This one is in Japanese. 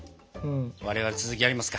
我々続きやりますか。